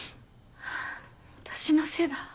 私のせいだ。